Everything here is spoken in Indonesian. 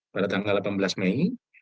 pada tanggal delapan belas mei